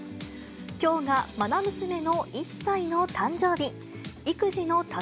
きょうがまな娘の１歳の誕生日。